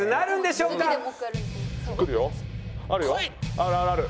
あるあるある。